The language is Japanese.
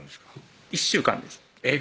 １週間ですええ